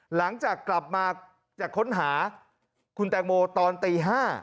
หลังจากกลับมาจะค้นหาคุณแตงโมตอนตี๕